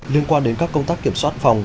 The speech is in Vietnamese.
liên quan đến các công tác kiểm soát phòng